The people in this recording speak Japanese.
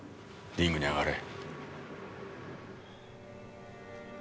リングに上がれ。